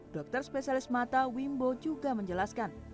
dokter spesialis mata wimbo juga menjelaskan